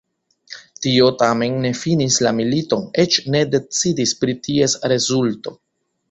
Tio tamen ne finis la militon, eĉ ne decidis pri ties rezulto.